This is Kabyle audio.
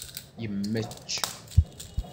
Yemmečč.